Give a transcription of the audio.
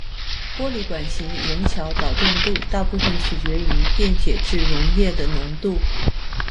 玻璃管型盐桥导电度大部分取决于电解质溶液的浓度。